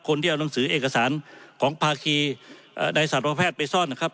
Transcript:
ที่เอาหนังสือเอกสารของภาคีในสัตวแพทย์ไปซ่อนนะครับ